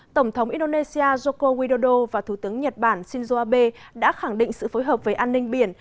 tổng thống indonesia joko widodo và thủ tướng nhật bản shinzo abe đã khẳng định sự phối hợp với an ninh biển